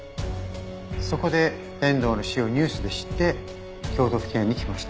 そこで遠藤の死をニュースで知って京都府警に来ました。